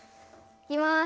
いきます。